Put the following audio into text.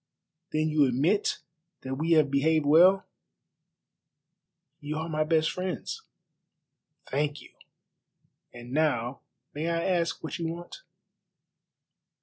"Then you admit that we have behaved well?" "You are my best friends." "Thank you. And now may I ask what you want?"